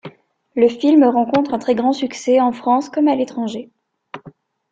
Le film rencontre un très grand succès en France comme à l'étranger.